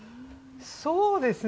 そうですね。